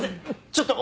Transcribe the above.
ちょっと。